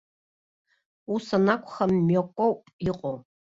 Ус анакәха, мҩакоуп иҟоу.